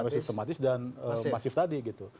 sistematis dan pasif tadi gitu